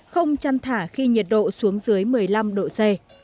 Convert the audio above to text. không chăn thả khi nhiệt độ xuống dưới một mươi năm độ c